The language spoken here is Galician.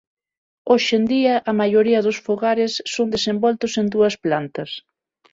Hoxe en día a maioría dos fogares son desenvoltos en dúas plantas.